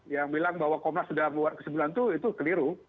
yang bilang bahwa komnas sudah membuat kesimpulan itu keliru